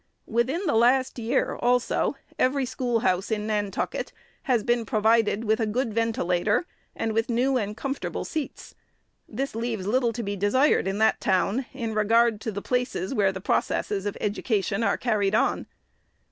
Within the last year, also, every schoolhouse in Nan tucket has been provided with a good ventilator and with new and comfortable seats. This leaves little to be desired in that town, in regard to the places where the processes of education are carried on.